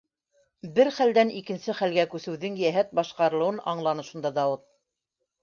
Бер хәлдән икенсе хәлгә күсеүҙең йәһәт башҡарылыуын аңланы шунда Дауыт.